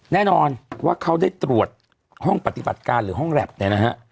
แน่นอนว่าเขาได้ตรวจห้องปฏิบัติการหรือห้องแล็บเนี่ยนะฮะ